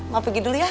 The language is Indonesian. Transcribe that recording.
mama pergi dulu ya